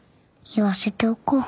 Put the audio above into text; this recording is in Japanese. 言わせておこう。